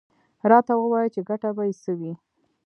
_راته ووايه چې ګټه به يې څه وي؟